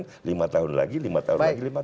lima tahun lagi lima tahun lagi lima tahun lagi